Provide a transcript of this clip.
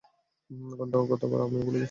গতবার আপনি ভুলে গিয়েছিলেন।